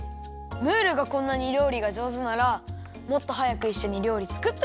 ムールがこんなにりょうりがじょうずならもっとはやくいっしょにりょうりつくっとけばよかったよ。